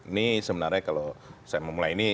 ini sebenarnya kalau saya mau mulai ini